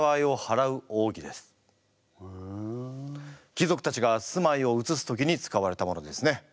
貴族たちが住まいをうつす時に使われたものですね。